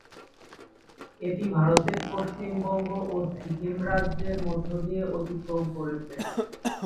এটি ভারতের পশ্চিমবঙ্গ ও সিকিম রাজ্যের মধ্য দিয়ে অতিক্রম করেছে।